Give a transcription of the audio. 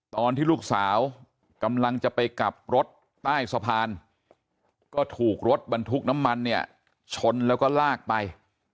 ตอนที่ลูกสาวกำลังจะไปกลับรถใต้สะพานก็ถูกรถบรรทุกน้ำมันเนี่ยชนแล้วก็ลากไป